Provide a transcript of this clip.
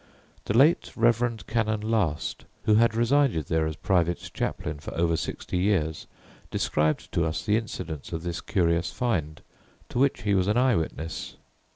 The late Rev. Canon Last, who had resided there as private chaplain for over sixty years, described to us the incidents of this curious "find," to which he was an eye witness.